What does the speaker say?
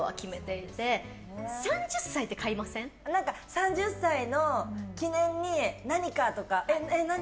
３０歳の記念に何かとか。